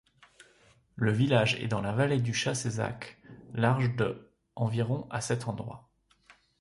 Le village est dans la vallée du Chassezac, large de environ à cet endroit.